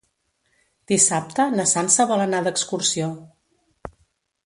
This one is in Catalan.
Dissabte na Sança vol anar d'excursió.